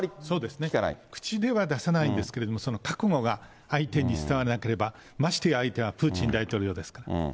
そうですね、口では出さないんですけれども、その覚悟が相手に伝わらなければ、まして相手はプーチン大統領ですから。